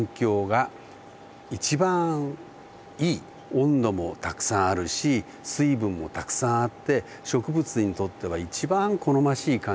温度もたくさんあるし水分もたくさんあって植物にとっては一番好ましい環境がたくさんある。